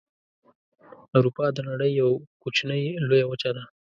اروپا د نړۍ یوه کوچنۍ لویه وچه ده.